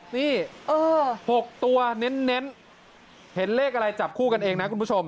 นี่๖ตัวเน้นเห็นเลขอะไรจับคู่กันเองนะคุณผู้ชม